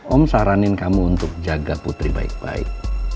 om saranin kamu untuk jaga putri baik baik